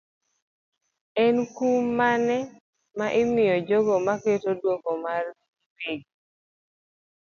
En kum mane ma imiyo jogo maketo duoko margi giwegi.